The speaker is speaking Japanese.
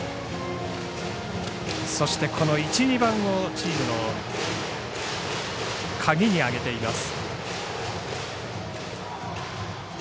そして、１、２番をチームのカギに挙げています。